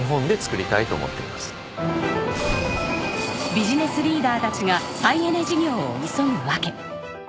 ビジネスリーダーたちが再エネ事業を急ぐわけ。